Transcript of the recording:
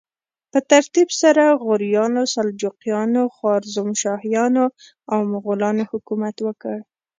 په ترتیب سره غوریانو، سلجوقیانو، خوارزمشاهیانو او مغولانو حکومت وکړ.